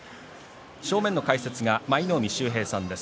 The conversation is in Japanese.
正面の解説は舞の海秀平さんです。